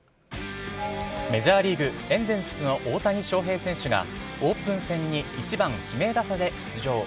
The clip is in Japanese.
メジャーリーグ・エンゼルスの大谷翔平選手が、オープン戦に１番指名打者で出場。